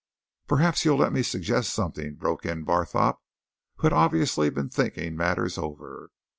"Perhaps you'll let me suggest something," broke in Barthorpe, who had obviously been thinking matters over.